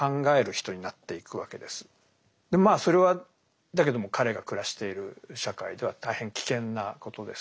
まあそれはだけども彼が暮らしている社会では大変危険なことです